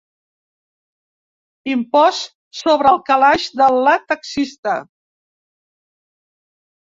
Impost sobre el calaix de la taxista.